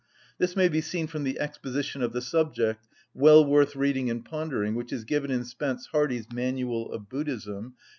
This may be seen from the exposition of the subject, well worth reading and pondering, which is given in Spence Hardy's "Manual of Buddhism," pp.